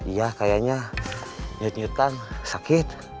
iya kayaknya nyut nyutan sakit